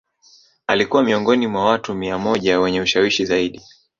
Alikua miongoni mwa watu mia moja wenye ushawishi zaidi